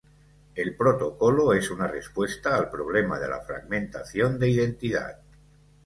El protocolo es una respuesta al problema de la fragmentación de identidad.